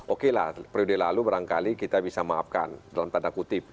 oke lah periode lalu barangkali kita bisa maafkan dalam tanda kutip